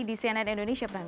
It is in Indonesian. di cnn indonesia prime news